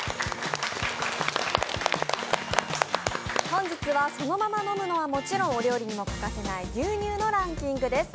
本日はそのまま飲むのはもちろん、お料理にも欠かせない牛乳のランキングです。